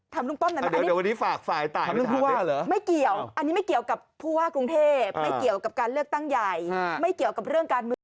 ทำลุงป้อมหน่อยมาอันนี้ไม่เกี่ยวกับภูฮากรุงเทพไม่เกี่ยวกับการเลือกตั้งใหญ่ไม่เกี่ยวกับเรื่องการมือ